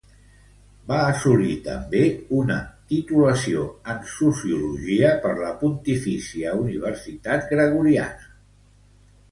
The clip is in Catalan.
Va assolir també una titulació en sociologia per la Pontifícia Universitat Gregoriana.